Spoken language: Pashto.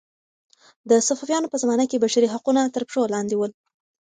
د صفویانو په زمانه کې بشري حقونه تر پښو لاندې ول.